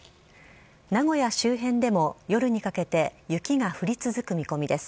名古屋周辺でも夜にかけて、雪が降り続く見込みです。